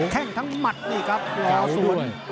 แข้งทั้งหมัดนี่ครับรอส่วน